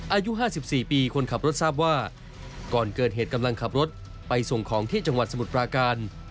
อายุ๕๔ปีคนขับรถทราบว่าก่อนเกิดเหตุกำลังขับรถไปส่งของที่จังหวัดสมุทรปราการ